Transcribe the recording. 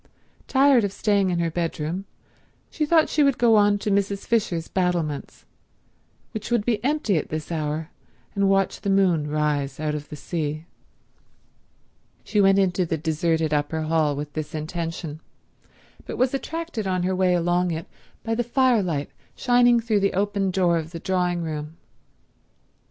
Tired of staying in her bedroom she thought she would go on to Mrs. Fisher's battlements, which would be empty at this hour, and watch the moon rise out of the sea. She went into the deserted upper hall with this intention, but was attracted on her way along it by the firelight shining through the open door of the drawing room.